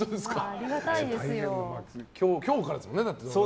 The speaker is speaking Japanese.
今日からですもんね、ドラマ。